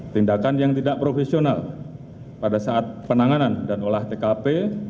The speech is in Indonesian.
tindakan yang tidak profesional pada saat penanganan dan olah tkp